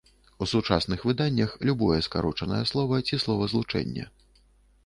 У сучасных выданнях любое скарочанае слова ці словазлучэнне.